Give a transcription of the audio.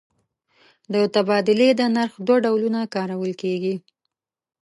د تبادلې د نرخ دوه ډولونه کارول کېږي.